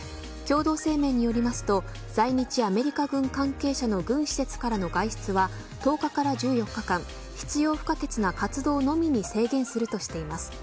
共同声明によりますと在日アメリカ軍関係者の軍施設からの外出は１０日から１４日間必要不可欠な活動のみに制限するとしています。